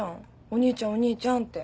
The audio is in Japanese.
お兄ちゃんお兄ちゃんって。